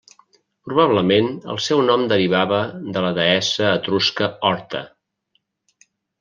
Probablement el seu nom derivava de la deessa etrusca Horta.